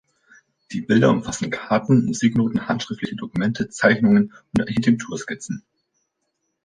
Die Bilder umfassten Karten, Musiknoten, handschriftliche Dokumente, Zeichnungen und Architekturskizzen.